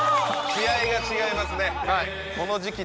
気合が違いますね